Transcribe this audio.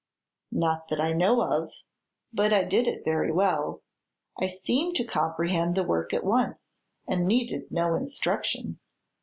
"Not that I know of; but I did it very well. I seemed to comprehend the work at once, and needed no instruction.